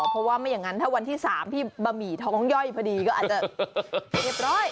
เพราะว่าไม่อย่างนั้นถ้าวันที่๓พี่บะหมี่ท้องย่อยพอดีก็อาจจะเรียบร้อย